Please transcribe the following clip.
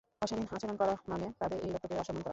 অশালীন আচরণ করা মানে তাদের এই রক্তকে অসম্মান করা।